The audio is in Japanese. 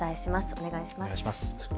お願いします。